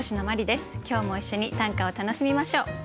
今日も一緒に短歌を楽しみましょう。